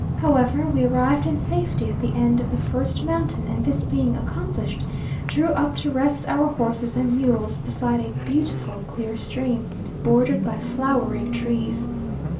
However, we arrived in safety at the end of the first mountain, and this being accomplished, drew up to rest our horses and mules beside a beautiful clear stream, bordered by flowering trees.